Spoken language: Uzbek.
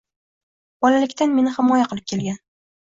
Bolalikdan meni himoya qilib kelgan